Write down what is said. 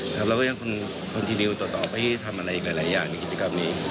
เราก็ยังคอนตินิวต่อไปทำอะไรอีกหลายอย่างในกิจกรรมนี้